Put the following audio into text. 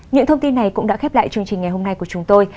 những thông tin này cũng đã khép lại chương trình ngày hôm nay của chúng tôi